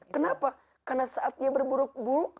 kenapa karena saat dia berbuat buruk